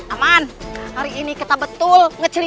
aman hari ini kita betul ngecerita